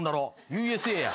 『Ｕ．Ｓ．Ａ．』や。